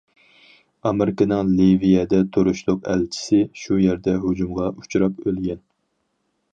ئامېرىكىنىڭ لىۋىيەدە تۇرۇشلۇق ئەلچىسى شۇ يەردە ھۇجۇمغا ئۇچراپ ئۆلگەن.